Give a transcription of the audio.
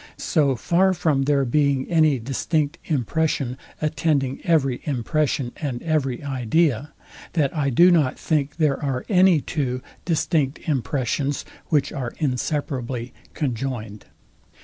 So far from there being any distinct impression, attending every impression and every idea, that I do not think there are any two distinct impressions, which are inseparably conjoined.